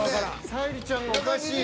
沙莉ちゃんがおかしい。